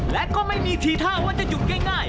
และก็ไม่มีทีท่าว่าจะหยุดง่าย